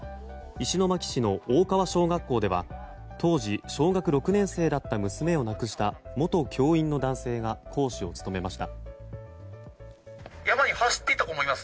石巻市の大川小学校では当時、小学６年生だった娘を亡くした元教員の男性が講師を務めました。